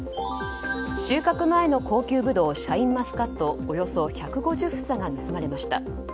収穫前の高級ブドウシャインマスカットおよそ１５０房が盗まれました。